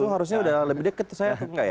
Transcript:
itu harusnya udah lebih deket saya